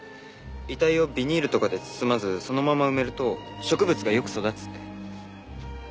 遺体をビニールとかで包まずそのまま埋めると植物がよく育つって。